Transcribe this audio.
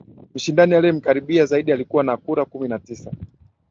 Mshindani aliyemkaribia zaidi alikuwa na kura kumi na tisa